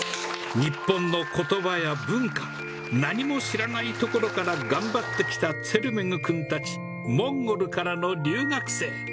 日本のことばや文化、何も知らないところから頑張ってきたツェルメグ君たちモンゴルからの留学生。